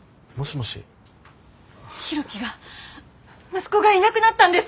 博喜が息子がいなくなったんです！